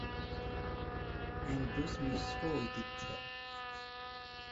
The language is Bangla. অ্যান্ড্রুজ মিশ্র ঐতিহ্যের।